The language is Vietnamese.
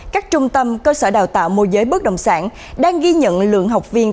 các trung tâm cơ sở đào tạo mô giới bất động sản đang ghi nhận lượng học viên